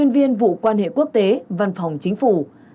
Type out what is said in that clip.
văn phòng chính phủ